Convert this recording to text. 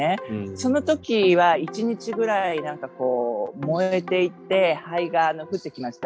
そのときは１日ぐらい、なんかこう、燃えていて、灰が降ってきました。